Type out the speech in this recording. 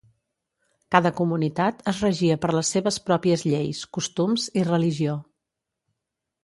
Cada comunitat es regia per les seves pròpies lleis, costums i religió.